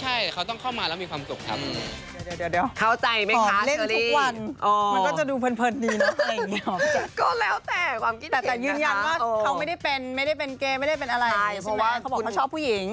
ใช่เพราะว่าเขาบอกว่าเขาชอบผู้หญิง